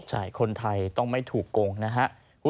ใช่คนไทยต้องไม่ถูกโกงนะฮะ